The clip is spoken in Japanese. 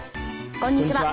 こんにちは。